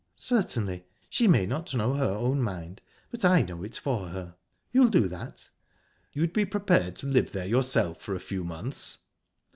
"Certainly. She may not know her own mind, but I know it for her. You'll do that?" "You'd be prepared to live there yourself for a few months?"